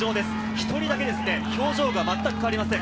１人だけ表情がまったく変わりません。